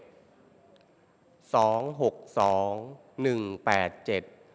สองหกสองหนึ่งแปดเจ็ด